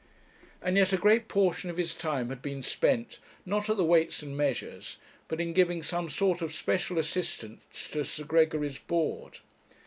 And yet a great portion of his time had been spent, not at the Weights and Measures, but in giving some sort of special assistance to Sir Gregory's Board.